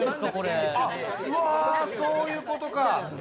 そういうことか。